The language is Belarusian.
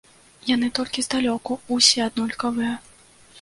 Яны толькі здалёку ўсе аднолькавыя.